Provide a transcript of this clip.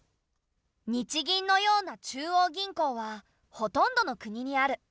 日銀のような中央銀行はほとんどの国にある。